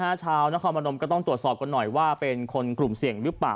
ชาวนครพนมก็ต้องตรวจสอบกันหน่อยว่าเป็นคนกลุ่มเสี่ยงหรือเปล่า